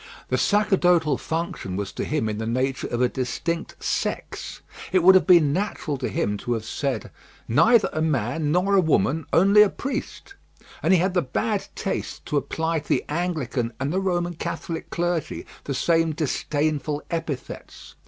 The sacerdotal function was to him in the nature of a distinct sex. It would have been natural to him to have said, "Neither a man nor a woman, only a priest;" and he had the bad taste to apply to the Anglican and the Roman Catholic clergy the same disdainful epithets.